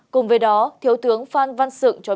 cùng với đó thiếu tướng phan văn sựng